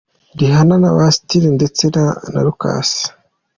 Rihanna na Bastia ndetse na Lukas.